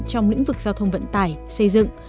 trong lĩnh vực giao thông vận tải xây dựng